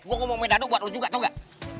gue ngomong medaduk buat lo juga tau gak